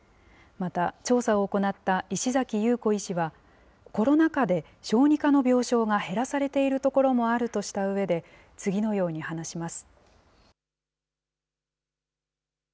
また、調査を行った石崎優子医師は、コロナ禍で小児科の病床が減らされているところもあるとしたうえで、次のように話します。